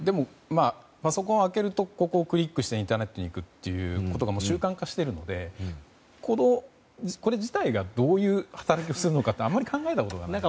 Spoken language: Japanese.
パソコンを開けるとここをクリックして開けるということが習慣化しているので、これ自体がどういう働きをするのかあまり考えたことがない。